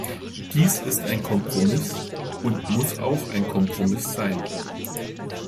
Dies ein Kompromiss und muss auch ein Kompromiss sein.